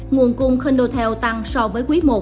nguồn cung con hotel tăng so với quý một